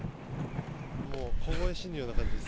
もう凍え死ぬような感じです。